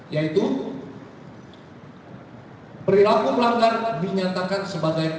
yaitu perilaku pelanggar dinyatakan sebagai